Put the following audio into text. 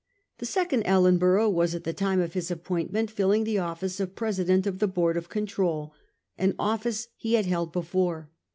The second Ellenborough was at the time of his appointment filling the office of Presi dent of the Board of Control, an office he had held before.